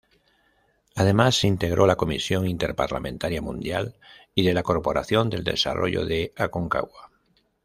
Además, integró la Comisión Interparlamentaria Mundial y de la Corporación del Desarrollo de Aconcagua.